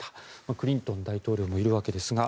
クリントン大統領もいるわけですが。